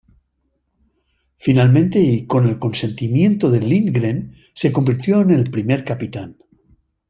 Finalmente, y con el consentimiento de Lindgren, se convirtió en el primer capitán.